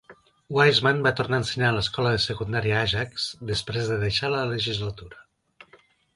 Wiseman va tornar a ensenyar a l'escola de secundària Ajax després de deixar la legislatura.